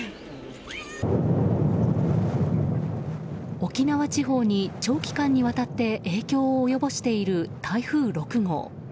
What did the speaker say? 沖縄地方に長期間にわたって影響を及ぼしている台風６号。